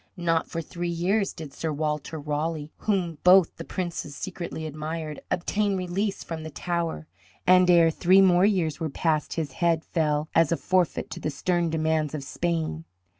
Not for three years did Sir Walter Raleigh whom both the Princes secretly admired obtain release from the Tower, and ere three more years were past his head fell as a forfeit to the stern demands of Spain.